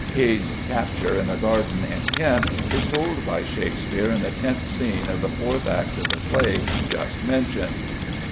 Cade's capture in a garden in Kent is told by Shakespeare in the tenth scene of the fourth act of the play just mentioned.